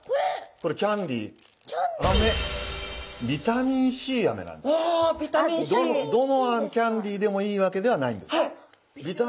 どのキャンディーでもいいわけではないんです。